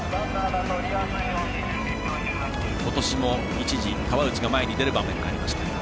今年も一時、川内が前に出る場面がありました。